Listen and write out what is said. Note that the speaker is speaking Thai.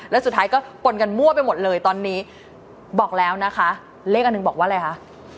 แล้วสุดท้ายก็ปนกันมั่วไปหมดเลยตอนนี้บอกแล้วนะคะเลขอันหนึ่งบอกว่าอะไรคะ